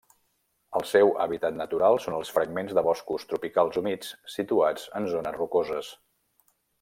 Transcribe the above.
El seu hàbitat natural són els fragments de boscos tropicals humits situats en zones rocoses.